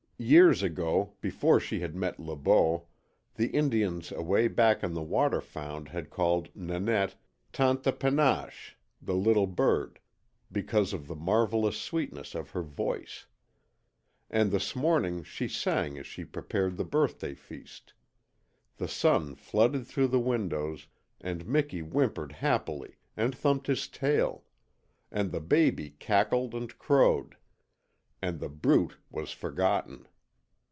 Years ago, before she had met Le Beau, the Indians away back on the Waterfound had called Nanette "Tanta Penashe" ("the Little Bird") because of the marvellous sweetness of her voice. And this morning she sang as she prepared the birthday feast; the sun flooded through the windows, and Miki whimpered happily and thumped his tail, and the baby cackled and crowed, and The Brute was forgotten.